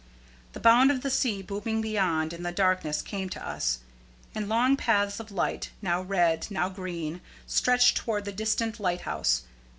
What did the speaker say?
The sound of the sea booming beyond in the darkness came to us, and long paths of light, now red, now green, stretched toward the distant light house.